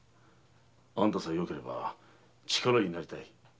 あんたさえよければ力になりたい。